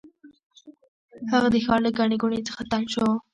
هغه د ښار له ګڼې ګوڼې څخه تنګ شو.